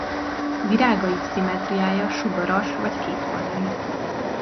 Virágaik szimmetriája sugaras vagy kétoldali.